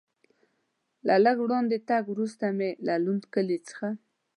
له لږ وړاندې تګ وروسته مې له لوند کلي څخه.